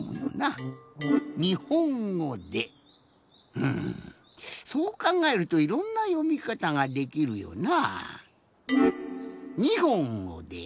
うんそうかんがえるといろんなよみかたができるよな。